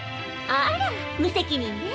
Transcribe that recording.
あら無責任ね。